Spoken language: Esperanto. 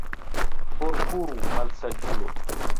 Forkuru, malsaĝulo!